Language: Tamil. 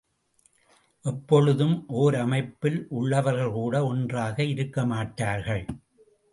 எப்பொழுதும் ஓரமைப்பில் உள்ளவர்கள் கூட ஒன்றாக இருக்கமாட்டார்கள்.